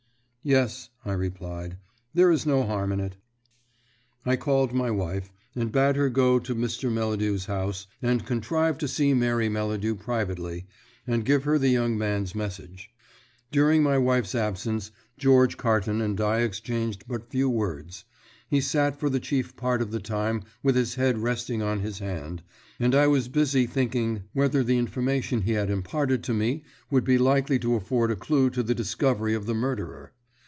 "Yes," I replied, "there is no harm in it." I called my wife, and bade her go to Mr. Melladew's house, and contrive to see Mary Melladew privately, and give her the young man's message. During my wife's absence George Carton and I exchanged but few words. He sat for the chief part of the time with his head resting on his hand, and I was busy thinking whether the information he had imparted to me would be likely to afford a clue to the discovery of the murderer.